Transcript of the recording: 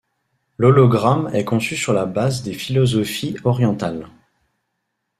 L'hologramme est conçu sur la base des philosophies orientales.